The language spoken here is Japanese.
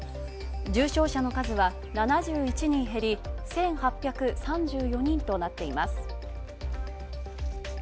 重症者の数は、７１人減り１８３４人となっています。